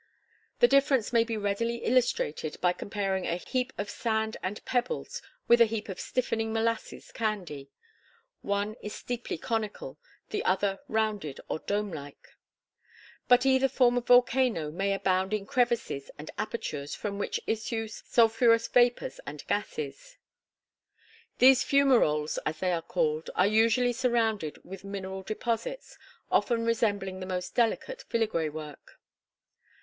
The difference may be readily illustrated by comparing a heap of sand and pebbles with a heap of stiffening molasses candy. One is steeply conical; the other, rounded or dome like. But either form of volcano may abound in crevices and apertures from which issue sulphurous vapors and gases. These fumaroles, as they are called, are usually surrounded with mineral deposits, often resembling the most delicate filigree work.